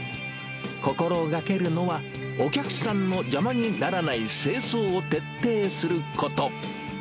心がけるのは、お客さんの邪魔にならない清掃を徹底すること。